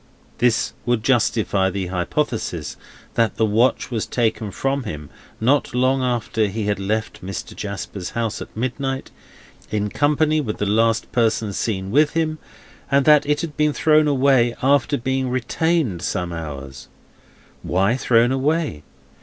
This would justify the hypothesis that the watch was taken from him not long after he left Mr. Jasper's house at midnight, in company with the last person seen with him, and that it had been thrown away after being retained some hours. Why thrown away?